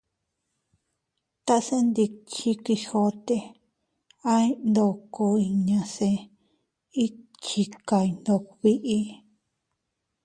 Tase ndikchi Quijote, aʼay ndoko inña se iychikay ndog biʼi.